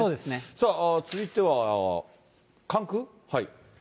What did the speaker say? さあ、続いては関空？